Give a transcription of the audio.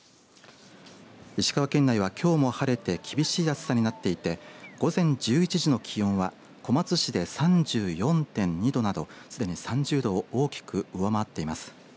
石川県内は、きょうも晴れて厳しい暑さになっていて午前１１時の気温は小松市で３４．２度などすでに３０度を大きく上回っています。